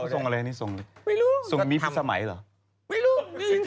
ส่องอะไรส่องมีสมัยหรอไม่รู้